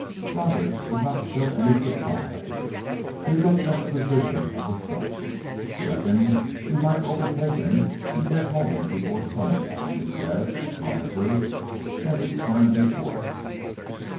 Roberts did not show any surprise. He looked at the position of the sun. "Reckon we might overtake him an' get home before sundown," he said, laconically, as he turned his horse.